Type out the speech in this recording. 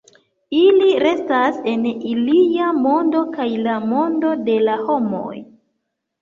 Ili restas en ilia mondo, kaj la mondo de la homoj.